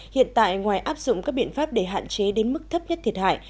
hiện tại ngoài áp dụng các biện pháp để hạn chế đến mức thấp nhất thiệt hại